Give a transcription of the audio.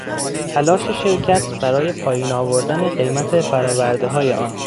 تلاش شرکت برای پایین آوردن قیمت فرآوردههای آن